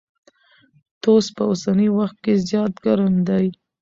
توس په اوسني وخت کي زيات ګرم دی.